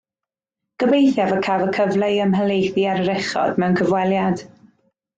Gobeithiaf y caf y cyfle i ymhelaethu ar yr uchod mewn cyfweliad